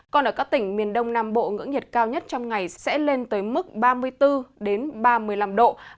còn ở các tỉnh miền đông nam bộ ngưỡng nhiệt cao nhất trong ngày sẽ lên tới mức ba mươi bốn ba mươi năm độ